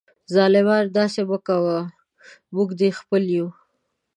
ظالمه داسي مه کوه ، موږ دي خپل یو